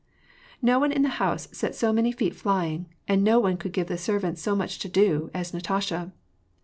No one in the house set so many feet flying, and no one gave the servants so much to do, as Natasha.